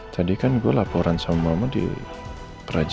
tadi kan gua laporan sama mama di praja lima